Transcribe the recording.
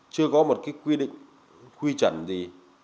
chưa có một cái quy định quy chuẩn gì